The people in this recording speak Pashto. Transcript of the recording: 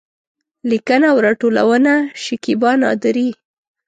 لیکنه او راټولونه: شکېبا نادري